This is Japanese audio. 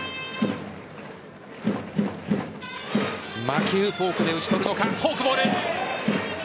魔球・フォークで打ち取るのかフォークボール。